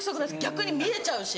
逆に見えちゃうし。